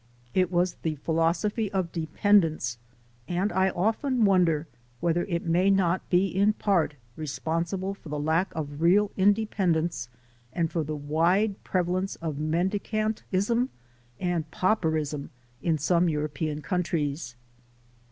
It was the philosophy of dependence and I often won der whether it may not be in part responsible for the lack of real independence, and for the wide prevalence of mendicantism and pauperism in some European countries.